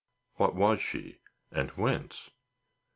What was she, and whence?